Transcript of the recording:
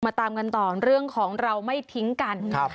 ตามกันต่อเรื่องของเราไม่ทิ้งกัน